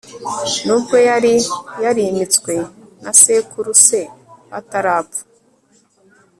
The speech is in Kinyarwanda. n'ubwo yari yarimitswe na sekuru se atarapfa